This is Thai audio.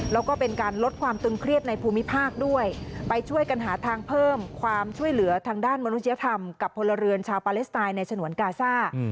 แล้วก็เป็นการลดความตึงเครียดในภูมิภาคด้วยไปช่วยกันหาทางเพิ่มความช่วยเหลือทางด้านมนุษยธรรมกับพลเรือนชาวปาเลสไตน์ในฉนวนกาซ่า